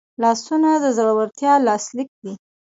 لاسونه د زړورتیا لاسلیک دی